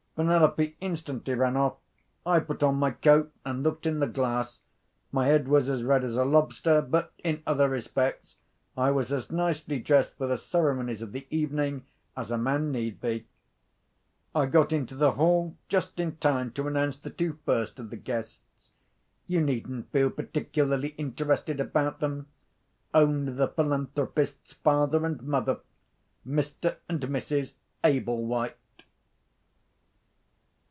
Penelope instantly ran off. I put on my coat, and looked in the glass. My head was as red as a lobster; but, in other respects, I was as nicely dressed for the ceremonies of the evening as a man need be. I got into the hall just in time to announce the two first of the guests. You needn't feel particularly interested about them. Only the philanthropist's father and mother—Mr. and Mrs. Ablewhite.